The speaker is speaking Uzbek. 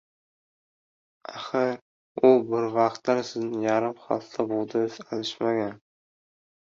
Axir, u bir vaqtlar sizni yarim xalta bug‘doyga alishmagan.